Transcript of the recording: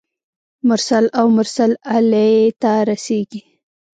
مرسل او مرسل الیه ته رسیږي.